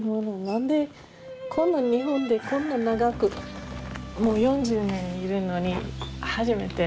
何でこの日本でこんな長くもう４０年いるのに初めて。